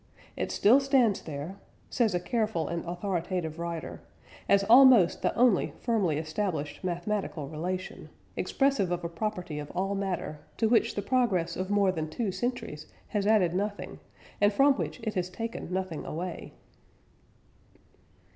"It still stands there," says a careful and authoritative writer, "as almost the only firmly established mathematical relation, expressive of a property of all matter, to which the progress of more than two centuries has added nothing, and from which it has taken nothing away."